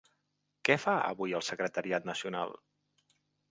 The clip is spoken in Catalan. Què fa avui el Secretariat Nacional?